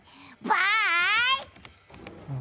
バーイ。